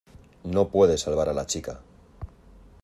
no puede salvar a la chica.